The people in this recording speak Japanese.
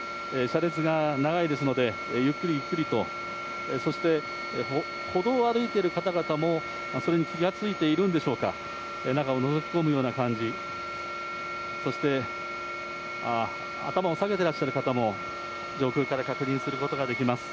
車列が長いですので、ゆっくりゆっくりと、そして歩道を歩いている方々もそれに気がついているんでしょうか、中をのぞき込むような感じ、そして、ああ、頭を下げてらっしゃる方も上空から確認することができます。